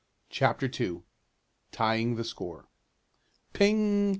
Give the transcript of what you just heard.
CHAPTER II TIEING THE SCORE Ping!